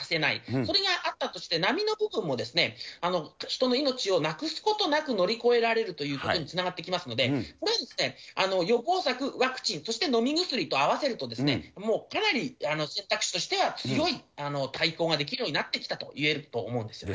それがあったとして、波の部分も人の命を亡くすことなく乗り越えられるということにつながってきますので、これは予防策、ワクチン、そして飲み薬と合わせると、もうかなり選択肢としては、強い対抗ができるようになってきたと言えると思うんですよね。